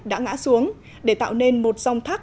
đã ngã xuống để tạo nên một dòng thác